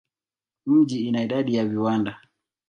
Mji ina idadi ya viwanda.